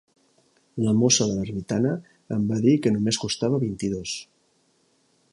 La mossa de l'ermitana em va dir que només costava vint i dos.